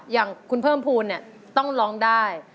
อย่างคุณเพิ่มภูมิเนี่ยต้องร้องได้